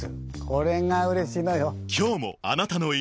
これがうれしいのよ。